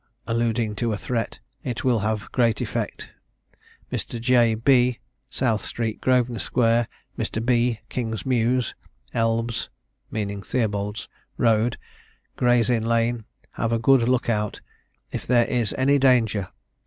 (alluding to a threat), it will have great effect. Mr. J. B. South street Grosvenor Square, Mr. B. King's Mews, Elbs (meaning Theobald's) Road, Gray's Inn Lane, have a good look out, if there is any danger.